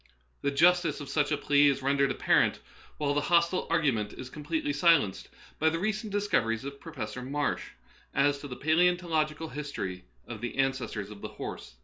The justice of such a plea is rendered apparent, while the hostile argument is completely silenced, by the recent discoveries of Professor Marsh as to the palaeontological his tory of the ancestors of the horse.